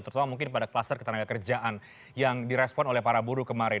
terutama mungkin pada kluster ketenaga kerjaan yang direspon oleh para buruh kemarin